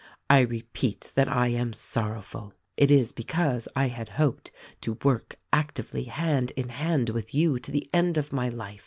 I repeat that I am sorrowful. It is because I had hoped to work actively hand in hand with you to the end of my life.